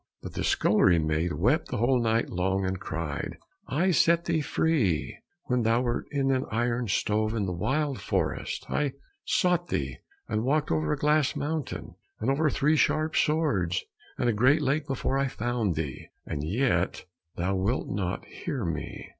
But the scullery maid wept the whole night long, and cried, "I set thee free when thou wert in an iron stove in the wild forest, I sought thee, and walked over a glass mountain, and over three sharp swords and a great lake before I found thee, and yet thou wilt not hear me!"